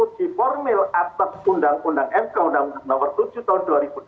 di formil atas undang undang fku uu tahun dua ribu dua puluh